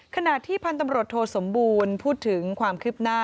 ขณะที่พันธุ์ตำรวจโทสมบูรณ์พูดถึงความคืบหน้า